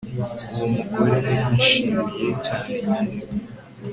uwo mugore yarishimye cyane igihe